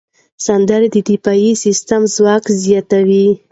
سندرې د دفاعي سیستم ځواک زیاتوي.